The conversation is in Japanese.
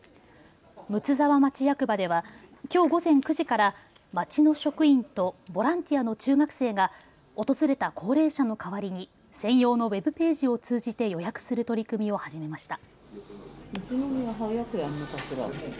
睦沢町役場ではきょう午前９時から、町の職員とボランティアの中学生が訪れた高齢者の代わりに専用のウェブページを通じて予約する取り組みを始めました。